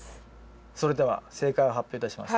それでは正解を発表いたします。